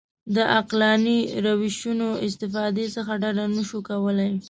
د عقلاني روشونو استفادې څخه ډډه نه شو کولای.